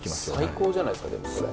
最高じゃないですかでもそれ。